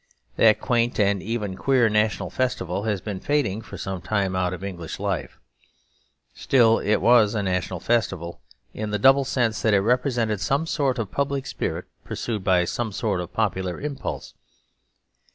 That quaint and even queer national festival has been fading for some time out of English life. Still, it was a national festival, in the double sense that it represented some sort of public spirit pursued by some sort of popular impulse.